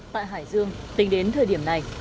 tại hải dương tính đến thời điểm này